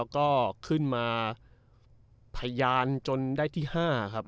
ก็ขึ้นมาพยานจนได้ที่๕ครับ